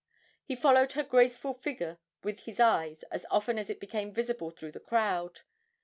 He followed her graceful figure with his eyes as often as it became visible through the crowd.